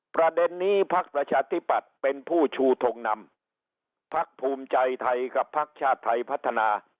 ประเด็นนี้พักประชาธิปัตย์เป็นผู้ชูทงนำพักภูมิใจไทยกับพักชาติไทยพัฒนา